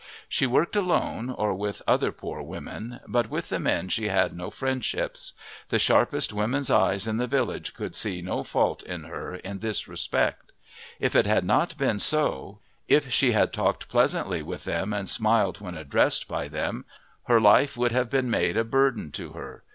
She worked alone or with other poor women, but with the men she had no friendships; the sharpest women's eyes in the village could see no fault in her in this respect; if it had not been so, if she had talked pleasantly with them and smiled when addressed by them, her life would have been made a burden to her.